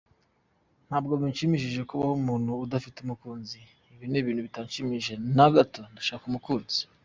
Ntabwo bishimishije kubaho umuntu adafite umukunzi! Ibi ni ibintu bitanshimishije na gato! Ndashaka umukunzi!” .